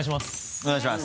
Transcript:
お願いします。